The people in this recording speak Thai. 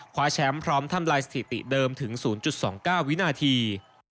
คว้าแชมป์พร้อมทำลายสถิติเดิมถึง๐๒๙วินาที